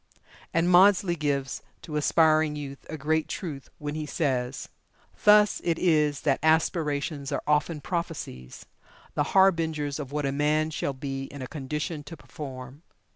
And Maudsley gives to aspiring youth a great truth, when he says: "Thus it is that aspirations are often prophecies, the harbingers of what a man shall be in a condition to perform."